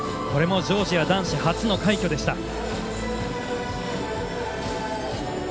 これもジョージア男子初の快挙でした。